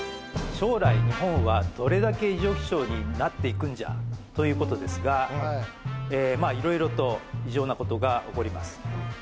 将来日本はどれだけ異常気象になっていくんじゃ？ということですがまあ色々と異常なことが起こります